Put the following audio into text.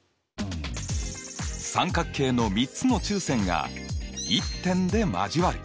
三角形の３つの中線が１点で交わる。